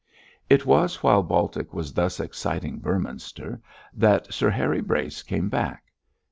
It was while Baltic was thus exciting Beorminster that Sir Harry Brace came back.